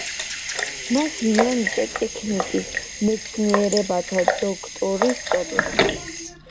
მას მიენიჭა ტექნიკის მეცნიერებათა დოქტორის წოდება.